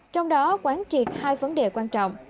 trong đó quán triệt hai vấn đề quan trọng